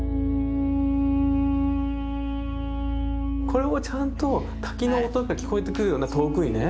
これはちゃんと滝の音が聞こえてくるような遠くにね。